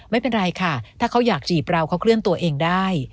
ไม่เป็นไรค่ะถ้าเขาอยากจีบเราเขาเคลื่อนตัวเองได้